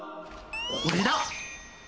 これだ！